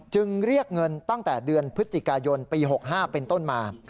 เรียกเงินตั้งแต่เดือนพฤศจิกายนปี๖๕เป็นต้นมา